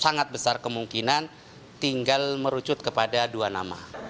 sangat besar kemungkinan tinggal merucut kepada dua nama